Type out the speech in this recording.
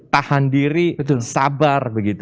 tahan diri sabar